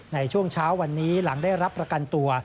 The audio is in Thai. ในช่วงเช้าวันนี้หลังได้รับประกันตัว